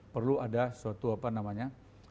perlu ada suatu apa namanya